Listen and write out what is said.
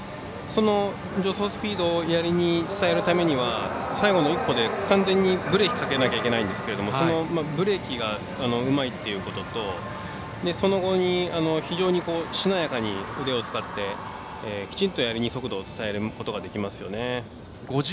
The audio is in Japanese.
助走スピードをやりに伝えるためには最後の１歩で完全にブレーキかけなきゃいけないんですけれどもそのブレーキがうまいということとその後に、非常にしなやかに腕を使ってきちんと、やりに速度を伝えることができますよね。